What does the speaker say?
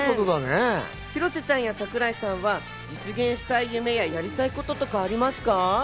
広瀬さんや櫻井さんは実現したい夢や、やりたいこととかありますか？